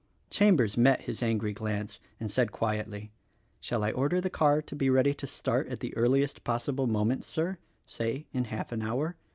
Chambers met his angry glance and said quietly, "Shall I order the car to be ready to start at the earliest possible moment, Sir — say in half an hour?